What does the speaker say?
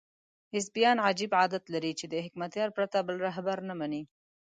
حزبیان عجیب عادت لري چې د حکمتیار پرته بل رهبر نه مني.